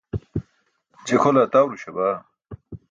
je kʰole atawruśa baa